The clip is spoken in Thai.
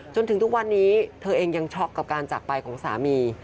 จนถึงทุกวันนี้เธอเองยังช็อกกับการจากไปของสามี